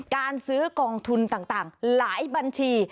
การซื้อกองทุนต่างหลายบัญชี